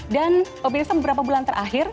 dan pemirsa beberapa bulan terakhir